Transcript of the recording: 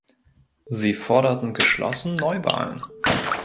Sie forderten geschlossen Neuwahlen.